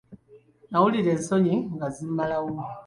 Nnawulira ensonyi nga zimmalawo.